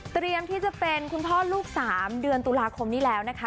เตรียมที่จะเป็นคุณพ่อลูก๓เดือนตุลาคมนี้แล้วนะคะ